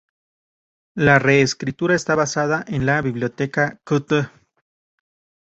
La reescritura está basada en la biblioteca Qt.